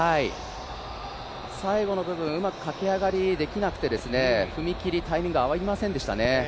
最後の部分、うまく駆け上がりできなくて、踏切、タイミング合いませんでしたね。